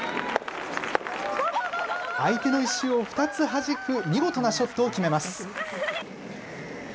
相手の石を２つはじく見事なショットを決めます。